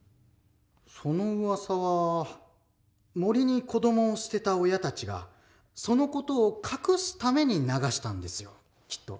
そのうわさは森に子どもを捨てた親たちがその事を隠すために流したんですよきっと。